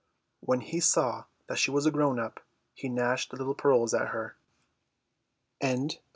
When he saw she was a grown up, he gnashed the little pearls at her. Chapter II.